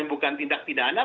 perbuatan yang diperlukan